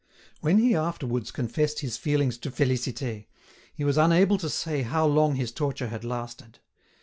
When he afterwards confessed his feelings to Félicité, he was unable to say how long his torture had lasted.